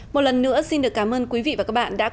một lần nữa xin được cảm ơn quý vị và các bạn đã quan tâm